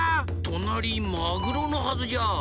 となりマグロのはずじゃ。